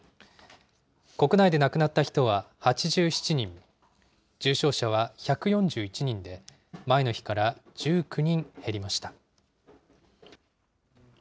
国内で亡くなった人は８７人、重症者は１４１人で、前の日から１９人減りました。